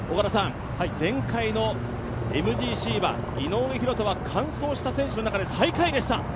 前回のＭＧＣは井上大仁は完走した選手の中で最下位でした。